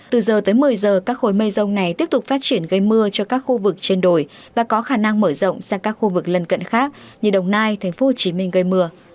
từ giờ tới một mươi giờ các khối mây rông này tiếp tục phát triển gây mưa cho các khu vực trên đồi và có khả năng mở rộng sang các khu vực lân cận khác như đồng nai tp hcm gây mưa